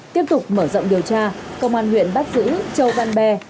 tiếp tục mở rộng điều tra công an huyện bắt giữ châu văn be